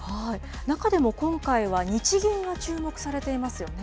中でも今回は日銀が注目されていますよね。